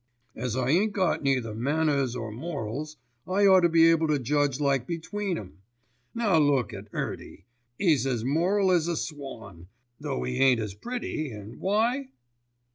"As I ain't got neither manners or morals, I ought to be able to judge like between 'em. Now look at 'Earty, 'e's as moral as a swan, though 'e ain't as pretty, an' why?"